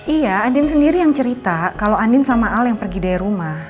iya andin sendiri yang cerita kalau andin sama al yang pergi dari rumah